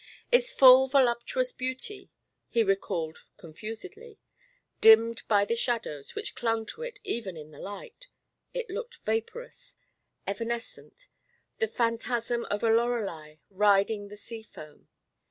Its full voluptuous beauty, he recalled confusedly; dimmed by the shadows which clung to it even in the light, it looked vaporous, evanescent, the phantasm of a lorelei riding the sea foam.